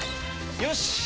よし！